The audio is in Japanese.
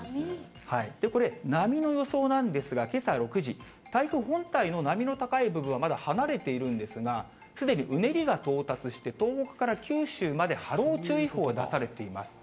これ、波の予想なんですが、けさ６時、台風本体の波の高い部分は、まだ離れているんですが、すでにうねりが到達して、東北から九州まで波浪注意報、出されています。